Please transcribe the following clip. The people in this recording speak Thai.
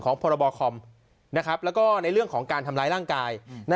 ของพรบคอมนะครับแล้วก็ในเรื่องของการทำร้ายร่างกายนะ